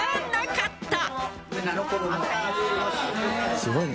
すごいね。